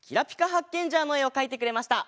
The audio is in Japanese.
ハッケンジャーのえをかいてくれました。